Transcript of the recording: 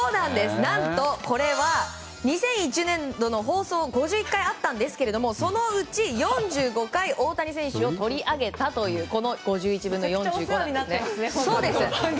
何と、これは２０２１年度の放送が５１回あったんですけどそのうち、４５回大谷選手を取り上げたという５１分の４５なんです。